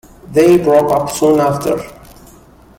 They broke up soon after.